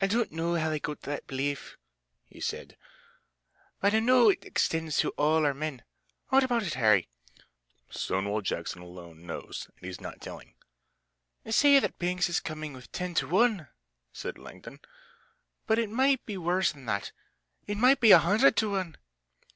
"I don't know how they got that belief," he said, "but I know it extends to all our men. What about it, Harry?" "Stonewall Jackson alone knows, and he's not telling." "They say that Banks is coming with ten to one!" said Langdon, "but it might be worse than that. It might be a hundred to one."